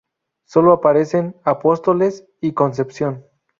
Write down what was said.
Solo aparecen Apóstoles y Concepción.